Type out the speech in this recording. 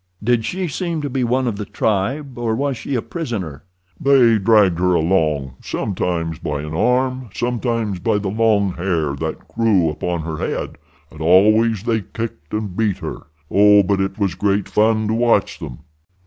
"Did she seem to be one of the tribe, or was she a prisoner?" "They dragged her along—sometimes by an arm—sometimes by the long hair that grew upon her head; and always they kicked and beat her. Oh, but it was great fun to watch them."